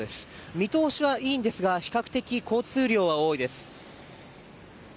見通しはいいんですが比較的交通量は多いです。